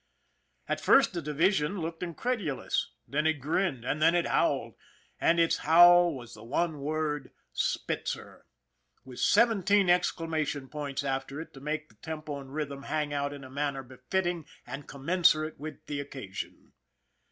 At first the division looked incredulous, then it grinned, and then it howled, and its howl was the one word " Spitzer !" with seventeen exclamation points after it to make the tempo and rhythm hang out in a manner befitting and commensurate with the occasion.